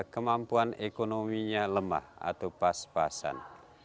kemampuan ekonominya lemah atau pas pasan